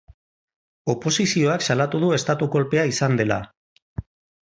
Oposizioak salatu du estatu kolpea izan dela.